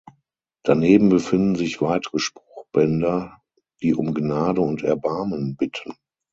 Daneben befinden sich weitere Spruchbänder, die um Gnade und Erbarmen bitten.